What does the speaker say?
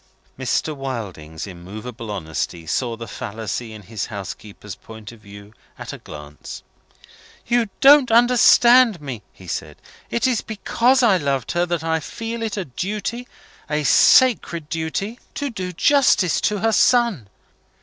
Mr. Wilding's immovable honesty saw the fallacy in his housekeeper's point of view at a glance. "You don't understand me," he said. "It's because I loved her that I feel it a duty a sacred duty to do justice to her son.